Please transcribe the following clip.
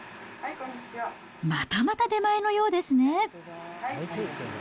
またまた出前のようですね。